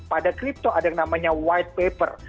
pada crypto ada yang namanya white paper